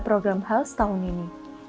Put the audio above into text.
program hals tahun ini